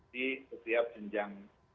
di setiap jenjang